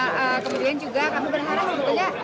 nah kemudian juga kami berharap tentunya